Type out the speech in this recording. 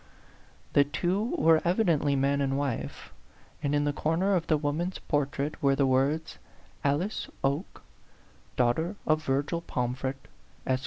The two were evidently man and wife; and in the corner of the woman's portrait were the words, " Alice Oke, daughter of Virgil Pom fret, Esq.